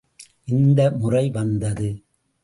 இந்த முறை வந்து.